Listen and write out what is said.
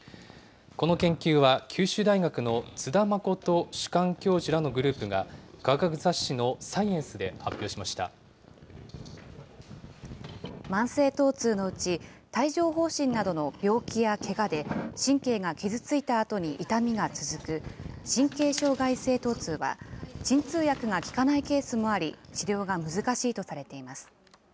この研究は九州大学の津田誠主幹教授らのグループが、科学雑誌の慢性疼痛のうち、帯状ほう疹などの病気やけがで神経が傷ついたあとに痛みが続く神経障害性疼痛は、鎮痛薬が効かないケースもあり、治療が難しいとされています。